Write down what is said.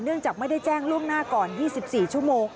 จากไม่ได้แจ้งล่วงหน้าก่อน๒๔ชั่วโมง